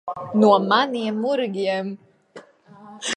No maniem murgiem.